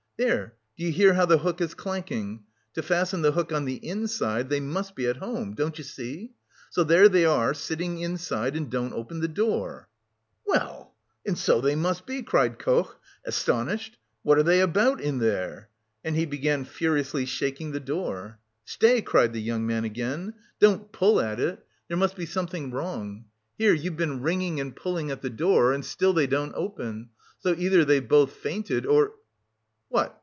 There, do you hear how the hook is clanking? To fasten the hook on the inside they must be at home, don't you see. So there they are sitting inside and don't open the door!" "Well! And so they must be!" cried Koch, astonished. "What are they about in there?" And he began furiously shaking the door. "Stay!" cried the young man again. "Don't pull at it! There must be something wrong.... Here, you've been ringing and pulling at the door and still they don't open! So either they've both fainted or..." "What?"